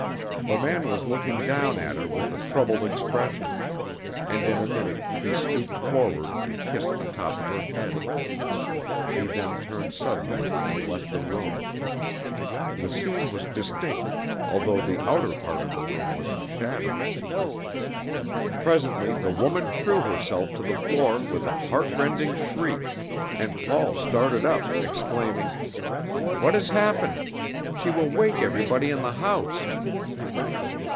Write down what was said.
The man was looking down at her with a troubled expression, and in a minute he stooped forward and kissed the top of her head; he then turned suddenly and left the room. The scene was distinct, although the outer part of the room was in shadow. Presently the woman threw herself to the floor with a heart rending shriek, and Paul started up, exclaiming: "What has happened? She will wake everybody in the house!"